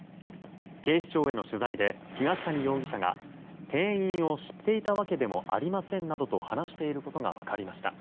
警視庁への取材で東谷容疑者が店員を知っていたわけでもありませんなどと話していたことが分かりました。